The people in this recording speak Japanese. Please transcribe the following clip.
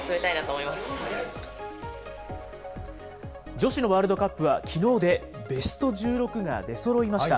女子のワールドカップは、きのうでベスト１６が出そろいました。